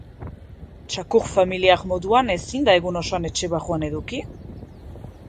Txakur familiar moduan ezin da egun osoan etxe barruan eduki.